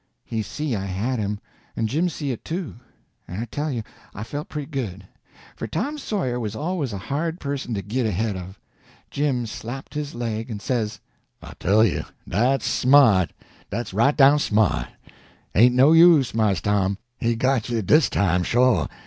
He see I had him, and Jim see it too; and I tell you, I felt pretty good, for Tom Sawyer was always a hard person to git ahead of. Jim slapped his leg and says: "I tell you! dat's smart, dat's right down smart. Ain't no use, Mars Tom; he got you dis time, sho'!"